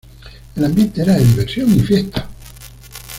El ambiente era de diversión y fiesta.